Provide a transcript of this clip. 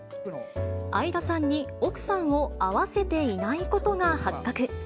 相田さんに、奥さんを会わせていないことが発覚。